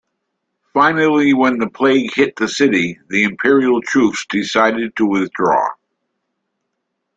Finally when the plague hit the city, the imperial troops decided to withdraw.